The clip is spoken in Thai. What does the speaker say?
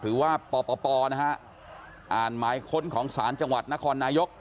หรือว่าปปนะฮะอ่านหมายค้นของศาลจังหวัดนครนายก